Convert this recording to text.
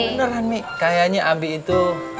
beneran mik kayaknya abi itu